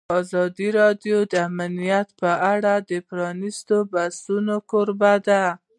ازادي راډیو د امنیت په اړه د پرانیستو بحثونو کوربه وه.